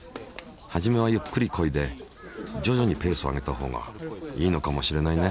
初めはゆっくりこいでじょじょにペースを上げたほうがいいのかもしれないね。